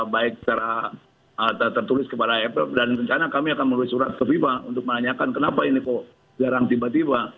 baik secara tertulis kepada app dan rencana kami akan memberi surat ke fifa untuk menanyakan kenapa ini kok jarang tiba tiba